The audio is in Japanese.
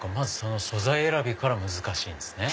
素材選びから難しいんですね。